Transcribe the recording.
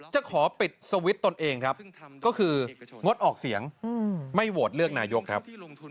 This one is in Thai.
จะขอปิดสวิตช์ตนเองครับก็คืองดออกเสียงไม่โหวตเลือกนายกครับ